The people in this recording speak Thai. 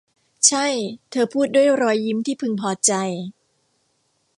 ใช่ เธอพูด ด้วยรอยยิ้มที่พึงพอใจ